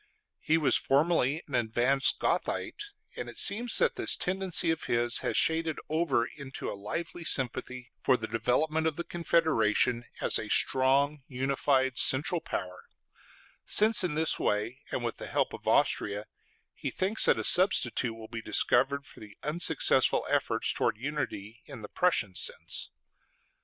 He was formerly an advanced Gothaite, and it seems that this tendency of his has shaded over into a lively sympathy for the development of the Confederation as a strong, unified, central power; since in this way, and with the help of Austria, he thinks that a substitute will be discovered for the unsuccessful efforts towards unity in the Prussian sense.